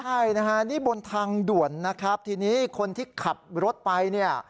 ใช่นะฮะนี่บนทางด่วนนะครับทีนี้คนที่ขับรถไปเนี่ย